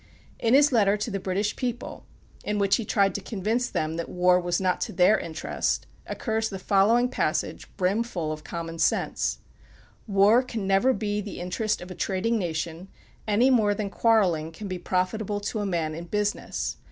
In his letter to the British people, in which he tried to convince them that war was not to their interest, occurs the following passage brimful of common sense: "War never can be the interest of a trading nation any more than quarreling can be profitable to a man in business.